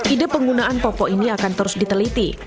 ide penggunaan pokok ini akan terus diteliti